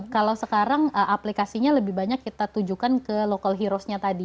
kalau sekarang aplikasinya lebih banyak kita tujukan ke local heroesnya tadi